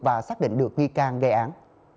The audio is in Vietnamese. và xác định được nghi can gây án